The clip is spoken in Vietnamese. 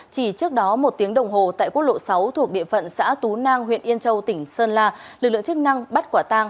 chỉ trước đó một tiếng đồng hồ tại quốc lộ sáu thuộc địa phận xã tú nang huyện yên châu tỉnh sơn la lực lượng chức năng bắt quả tang